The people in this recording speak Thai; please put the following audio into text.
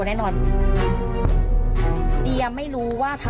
ดีกว่า